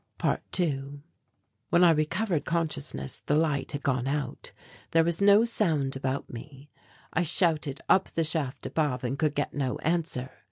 ~2~ When I recovered consciousness the light had gone out. There was no sound about me. I shouted up the shaft above and could get no answer.